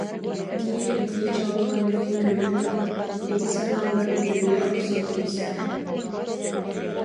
» диир этии чаҕылҕанныы күлүм гынан, ити санаалары үтүрүйэ охсон кэбистэ